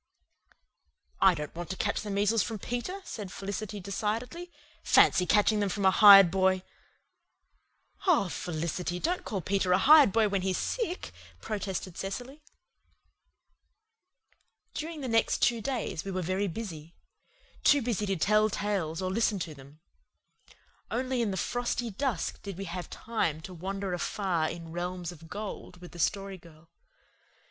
"I don't want to catch the measles from Peter," said Felicity decidedly. "Fancy catching them from a hired boy!" "Oh, Felicity, don't call Peter a hired boy when he's sick," protested Cecily. During the next two days we were very busy too busy to tell tales or listen to them. Only in the frosty dusk did we have time to wander afar in realms of gold with the Story Girl.